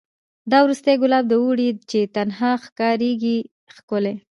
دا وروستی ګلاب د اوړي چي تنها ښکاریږي ښکلی